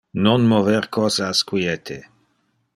Non mover cosas quiete.